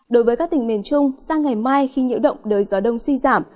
đối với các tỉnh miền trung sang ngày mai khi nhiễu động đời gió đông suy giảm